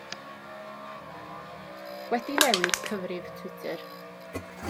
Wedi newid cyfrif Twitter.